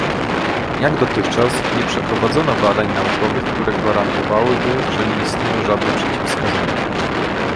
Jak dotychczas nie przeprowadzono badań naukowych, które gwarantowałyby, że nie istnieją żadne przeciwwskazania